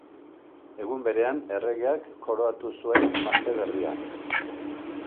Egun berean erregeak koroatu zuen emazte berria.